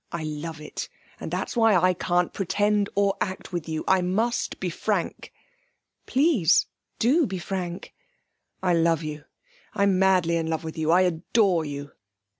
I love it. And that's why I can't pretend or act with you; I must be frank.' 'Please, do be frank.' 'I love you. I'm madly in love with you. I adore you.'